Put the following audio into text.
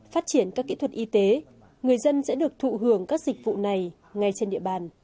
phát triển các kỹ thuật y tế người dân sẽ được thụ hưởng các dịch vụ này ngay trên địa bàn